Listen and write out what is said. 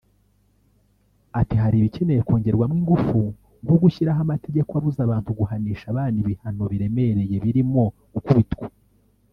Ati “Hari ibikenewe kongerwamo ingufu nko gushyiraho amategeko abuza abantu guhanisha abana ibihano biremereye birimo gukubitwa